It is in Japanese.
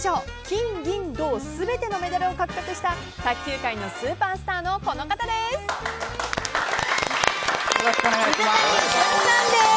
金銀銅、全てのメダルを獲得した卓球界のスーパースターのこの方です。